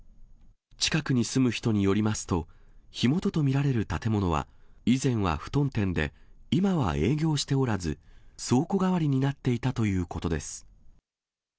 近くに住む人によりますと、火元と見られる建物は、以前は布団店で、今は営業しておらず、倉庫代わりになっていたということです。